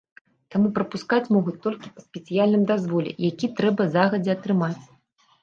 Таму прапускаць могуць толькі па спецыяльным дазволе, які трэба загадзя атрымаць.